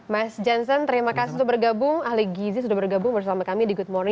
mas jansen terima kasih sudah bergabung ahli gizi sudah bergabung bersama kami di good morning